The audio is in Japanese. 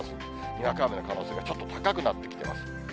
にわか雨の可能性がちょっと高くなってきてます。